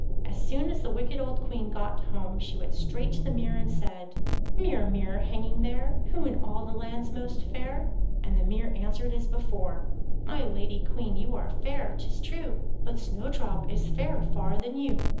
As soon as the wicked old Queen got home she went straight to her mirror, and said: 'Mirror, mirror, hanging there, Who in all the land's most fair?' and the mirror answered as before: 'My Lady Queen, you are fair, 'tis true, But Snowdrop is fairer far than you.